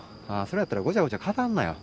それやったらごちゃごちゃ語んなよ。